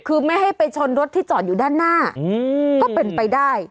คือไม่ให้ไปชนรถที่จอดอยู่ด้านหน้าก็เป็นไปได้